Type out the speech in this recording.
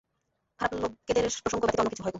খারাপ লোকেদের প্রসঙ্গ ব্যতীত অন্যকিছু, হয়তো।